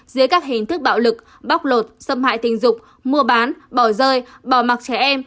dưới các hình thức bạo lực bóc lột xâm hại tình dục mua bán bỏ rơi bỏ mặc trẻ em